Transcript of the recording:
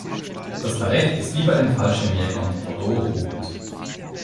Das Barett ist wie bei den Fallschirmjägern bordeauxrot.